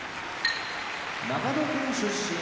長野県出身